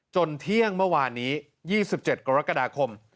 เที่ยงเมื่อวานนี้๒๗กรกฎาคม